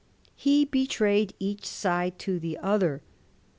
He betrayed each side to the other.